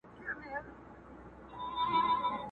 o په کور کي نه کورت، نه پياز، ارږى د واز٫